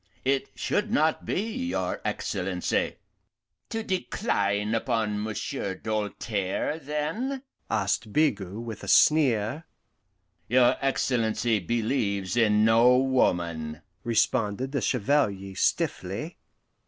it should not be, your Excellency." "To decline upon Monsieur Doltaire, then?" asked Bigot, with a sneer. "Your Excellency believes in no woman," responded the Chevalier stiffly.